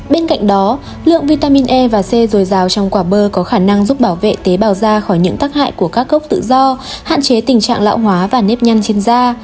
bên cạnh đó lượng vitamin e và c dồi dào trong quả bơ có khả năng giúp bảo vệ tế bào da khỏi những tác hại của các cốc tự do hạn chế tình trạng lão hóa và nếp nhăn trên da